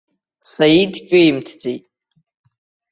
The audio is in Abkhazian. Саид ҿимҭӡеит.